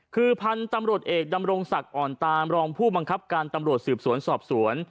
คือพันธุ์ตำรวจเอกดำรงศักดิ์อ่อนตามรองผู้บังคับการตำรวจสืบสวนสอบสวน